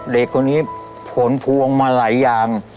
เด็กคนนี้ผลพวงมาหลายอย่าง